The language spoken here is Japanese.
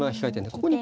ここに金。